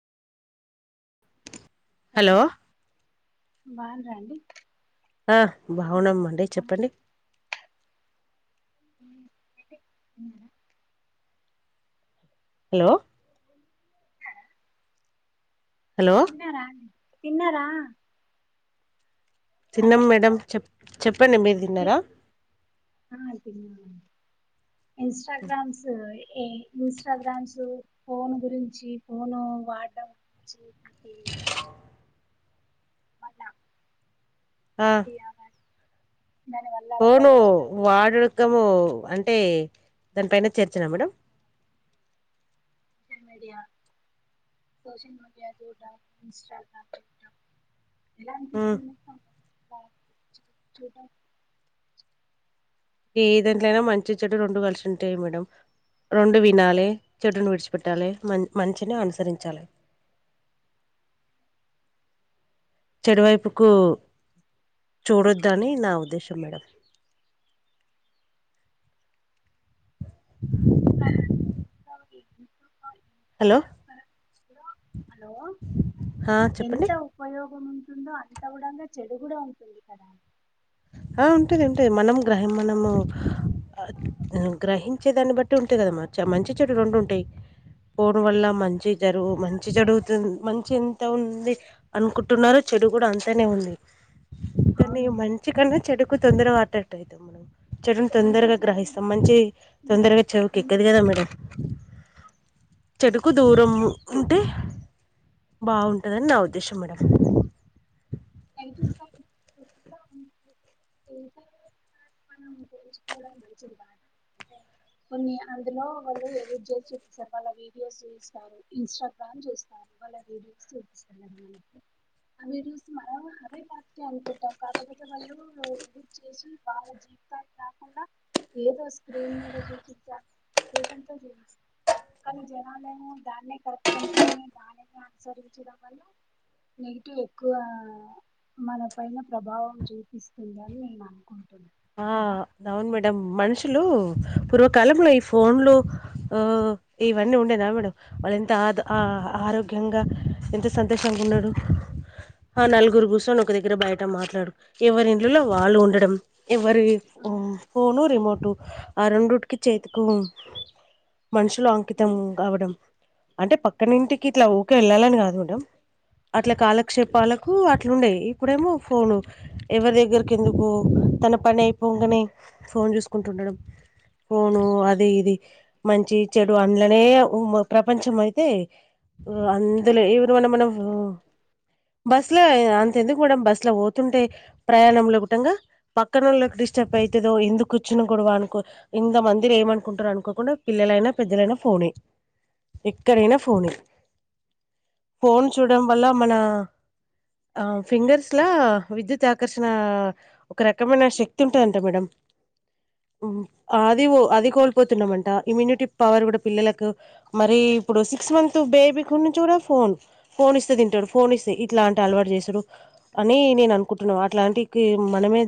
Hello బావున్నారా అండి ఆ బాగున్నామ్మండి చెప్పండి మీరే చెప్పండి మేడం హలో హలో తిన్నారా తిన్నారా తిన్నం మేడం చెప్పండి మీరు తే తిన్నారా తినమండి ఇన్స్టాగ్రామ్స్ ఏ ఇన్స్టాగ్రామ్స్ ఫోన్ గురించి ఫోను వాడడం గురించి వల్ల ఆ ఐడియా దాని వల్ల ఫోను ప్రయోజనాలు వడుకము అంట అంటే దానిపైన చర్చిన మేడం సోషల్ సోషల్ మీడియా చూడడం ఇన్స్టాగ్రామ్ చూడడం ఎలా ఉమ్, అనిపిస్తుంది ఇలాంటివి చూడడం ఏదంట్లోనా మంచి చెడు రెండు కలిసి ఉంటాయి మేడం రెండు వినాలి చెట్టును విడిచిపెట్టాలి మంచిని అనుసరించాలి నో సౌండ్ చెడువైపుకు చూడొద్ద అని నా ఉద్దేశం మేడం నో సౌండ్ ఉ ఆ అలాగే హలో హలో ఆ చెప్పండి ఎంత ఉపయోగం ఉంది ఉంటందో అంత కూడా చెడు కూడా ఉంటుంది కదా అలా ఉంటేది ఏంటే మనం గ్రహం మనము గ్రహించే దాన్ని బట్టి ఉంటాయి కదా మంచి చెడు రెండు ఉంటాయి ఫోన్ వల్ల మంచి జరుగు మంచి జరుగుతు మంచి ఎంత ఉంది అనుకుంటున్నారో చెడు కూడా అంతానే ఉంది కానీ అవును మంచి కన్నా చెడుకు తొందరగా అట్రాక్ట్ అవుతాం మనం చెడుని నెగిటివ్ తొందరగా సైడ్ గ్రహిస్తాం మంచి తొందరగా చెవుకి ఎక్కదు కదా మేడం చెడుకు దూరం ఉంటే బాగుంటుందని నా ఉద్దేశం మేడం సోషల్ మీడియా గురించి తెలుసుకోవడం మంచిది కాదు అంతేనా కొన్ని అందులో వాళ్ళు ఎడిట్ చేసి చూపిస్తారు వీడియోస్ చూస్తారు ఇన్స్టాగ్రామ్ చూస్తారు మన ఎడిట్ చూపిస్తున్నాం వాళ్లకి ఆ వీడియోస్ మనం అవే కరెక్ట్ అనుకుంటాం కాకపోతే వాళ్ళు ఎడిట్ చేసి బాగా చీప్ కాకుండా ఏదో స్క్రీన్ మీద చూపించారు ఉద్దేశంతో చూపిస్తాం కానీ జనాలేమో దాన్ని కరెక్ట్ంకుని దాని అనుసరించడం వలన నెగిటివ్ ఎక్కువ మన పైన ప్రభావం చూపిస్తుంది అని నేను అను ఆ దవున్ మ మ మనుషులు పూర్వకాలంలో ఈ ఫోన్లు ఊ ఇవన్నీ ఉండేదా మేడం వాళ్ళెంత ఆ ఆరోగ్యంగా ఎంత సంతోషంగా ఉన్నారు ఆ నలుగురు కూర్చొని ఒక దగ్గర బయట మాట్లాడు ఎవరి ఇండ్లల్లో వాళ్ళు ఉండడం ఎవరి ఆ, ఫోను రిమోటు ఆ రెండుటికి చేతికు మనుషులు అంకితం కావడం అంటే పక్కనింటికి ఇట్లా ఊకే వెళ్ళాలని కాదు మేడం ఆ, అట్ల కాలక్షేపాలకు అట్లుండేవి ఇప్పుడేమో ఆ. ఫోను ఎవరి దగ్గరకి ఎందుకు తన పని అయిపొంగనే ఫోన్ చూసుకుంటు ఉండడం ఫోను అది ఇది మంచి చెడు అందులోనే ప్రపంచం అయితే ఇక అందులో ఊరోళ్ళ మనము బస్ లో అంత ఎందుకు మేడం బస్ లో పోతుంటే ప్రయాణంలో పోతుండగా పక్కనోళ్లకు డిస్టర్బ్ అయితదో ఎందుకొచ్చిన గొడవ అనుకో ఇంత మందిర ఏమనుకుంటారు అనుకోకుండా పిల్లలు లైనా పెద్దలైనా ఫోను ఎక్కడైనా ఫోను ఫోన్ చూడడం వల్ల మన ఆ ఫింగర్స్ లా విద్యుత్ ఆకర్షణ ఒక రకమైన శక్తి ఉంటుందంట మేడం అది అది కోల్పోతున్నామంట ఇమ్యూనిటీ పవర్ కూడా పిల్లలకు మరి ఇప్పుడు సిక్స్ మంత్ బేబీ కు నుంచి కూడా ఫోన్ ఫోన్ ఇస్తే తింటాడు ఫోన్ ఇస్తే ఇట్లా అంటి అలవాటు చేసారు అని నేను అనుకుంటున్నా అట్లాంటికి